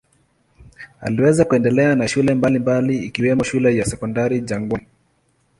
Aliweza kuendelea na shule mbalimbali ikiwemo shule ya Sekondari Jangwani.